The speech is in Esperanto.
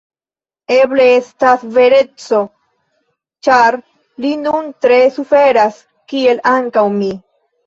Eble estas vereco, ĉar li nun tre suferas, kiel ankaŭ mi.